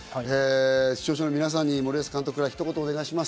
視聴者の皆さんに森保監督からひと言お願いします。